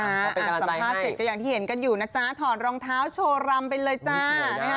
อ่านสัมภาษณ์เสร็จก็อย่างที่เห็นกันอยู่นะจ๊ะถอดรองเท้าโชว์รำไปเลยจ้านะคะ